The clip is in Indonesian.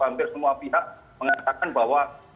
hampir semua pihak mengatakan bahwa